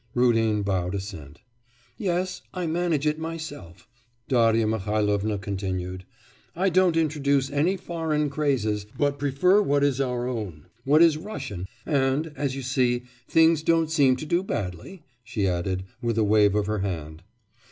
Rudin bowed assent. 'Yes; I manage it myself,' Darya Mihailovna continued. 'I don't introduce any foreign crazes, but prefer what is our own, what is Russian, and, as you see, things don't seem to do badly,' she added, with a wave of her hand.